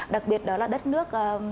đặc biệt đó là đất nước